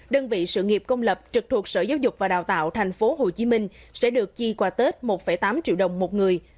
đơn vị sự nghiệp công lập trực thuộc sở giáo dục và đào tạo tp hcm sẽ được chi qua tết một tám triệu đồng một người